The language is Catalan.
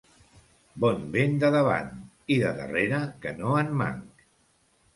Bon vent de davant, i de darrere que no en manc.